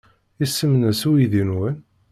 Isem-nnes uydi-nwen?